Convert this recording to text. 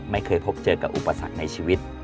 ไม่เคยพบเจอกับอุปสรรคในชีวิต